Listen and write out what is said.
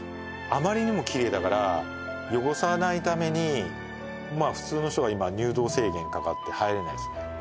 あまりにもキレイだから汚さないためにまあ普通の人が今入洞制限かかって入れないですね